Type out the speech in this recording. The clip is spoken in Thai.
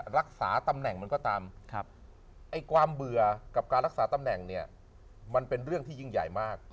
รักษาตำแหน่งเนี่ยมันเป็นเรื่องที่ยิ่งใหญ่มาก